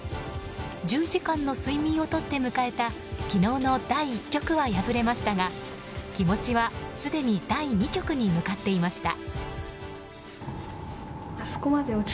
１０時間の睡眠をとって迎えた昨日の第１局は敗れましたが気持ちは、すでに第２局に向かっていました。